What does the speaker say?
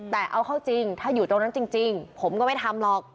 แต่เอาเข้าจริงถ้าอยู่ตรงนั้นจริงผมก็ไม่ทำหรอก